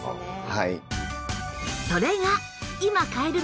はい。